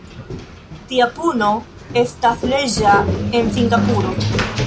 Tia puno estas leĝa en Singapuro.